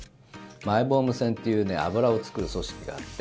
マイボーム腺っていう油を作る組織があって。